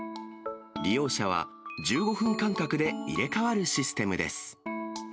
利用者は、１５分間隔で入れ替わるシステムです。